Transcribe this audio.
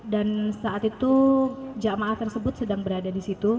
dan saat itu jemaah tersebut sedang berada di situ